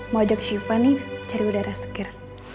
mau ajak syifa nih cari udara segar